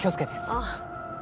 ああ。